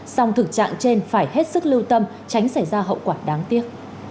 song thực trạng trên phải hết sức lưu tâm tránh xảy ra hậu quả đáng tiếc